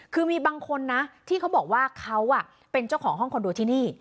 คือมีบางคนนะที่เขาบอกว่าเขาเป็นเจ้าของห้องคอนโดที่นี่